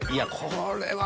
これは。